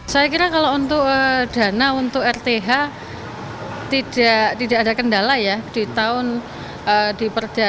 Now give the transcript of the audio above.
saya kira kalau untuk dana untuk rth tidak ada kendala ya di tahun diperhati